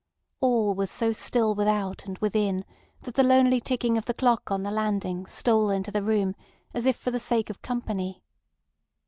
All was so still without and within that the lonely ticking of the clock on the landing stole into the room as if for the sake of company.